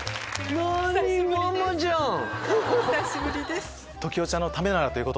お久しぶりです。